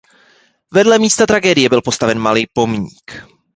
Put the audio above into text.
Vedle místa tragédie byl postaven malý pomník.